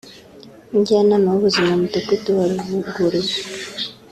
umujyanama w'ubuzima mu mudugudu wa Rubugurizo